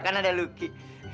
kan ada luki